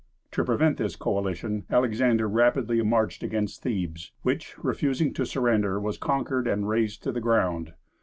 To prevent this coalition, Alexander rapidly marched against Thebes, which, refusing to surrender, was conquered and razed to the ground.